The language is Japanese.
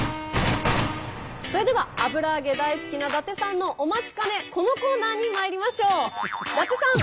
それでは油揚げ大好きな伊達さんのお待ちかねこのコーナーにまいりましょう！